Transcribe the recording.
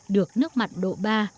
được nước mặn độ ba